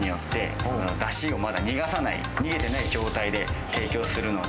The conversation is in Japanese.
逃げてない状態で提供するので。